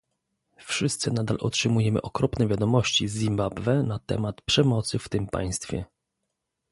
Wszyscy nadal otrzymujemy okropne wiadomości z Zimbabwe na temat przemocy w tym państwie